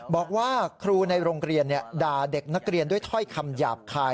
บอกว่าครูในโรงเรียนด่าเด็กนักเรียนด้วยถ้อยคำหยาบคาย